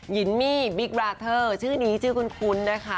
ินมี่บิ๊กบราเทอร์ชื่อนี้ชื่อคุ้นนะคะ